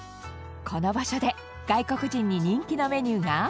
この場所で外国人に人気のメニューが。